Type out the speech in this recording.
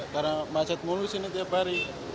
karena macet mulu sini tiap hari